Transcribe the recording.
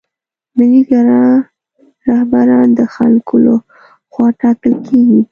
ملي ګرا رهبران د خلکو له خوا ټاکل کیږي.